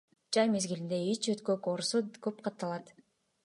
Жай мезгилинде ич өткөк оорусу көп катталат.